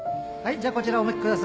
じゃあこちらお向きください